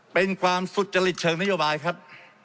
เป็นความสุจริตเชิงนโยบายครับ